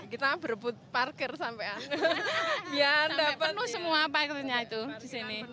kita berebut parkir sampai biar sampai penuh semua parkirnya itu di sini